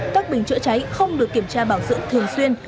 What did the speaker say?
các bình chữa cháy không được kiểm tra bảo dưỡng thường xuyên